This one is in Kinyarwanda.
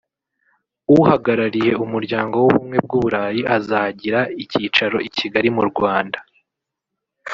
uhagarariye umuryango w’ubumwe bw’u Burayi azagira icyicaro i Kigali mu Rwanda